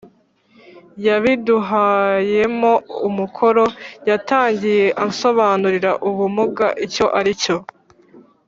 yabiduhayemo umukoro. yatangiye ansobanurira ubumuga icyo ari cyo,